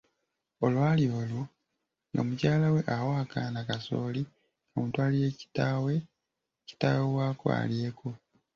Olwali olwo ng'omukyalawe awa kaana kasooli kamutwalire kitaawe waako alyeko.